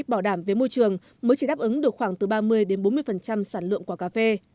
bảo đảm về môi trường mới chỉ đáp ứng được khoảng từ ba mươi bốn mươi sản lượng của cà phê